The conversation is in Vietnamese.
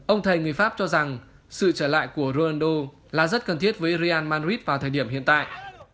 ông thầy người pháp cho rằng sự trở lại của ronaldo là rất cần thiết với iran madrid vào thời điểm hiện tại